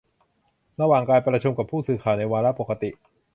ระหว่างการประชุมกับผู้สื่อข่าวในวาระปกติ